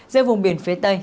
dây vùng biển phía tây